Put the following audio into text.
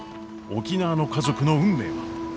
沖縄の家族の運命は！？